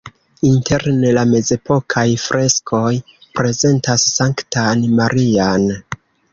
Interne la mezepokaj freskoj prezentas Sanktan Marian.